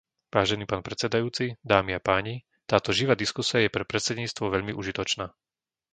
Vážený pán predsedajúci, dámy a páni, táto živá diskusia je pre predsedníctvo veľmi užitočná.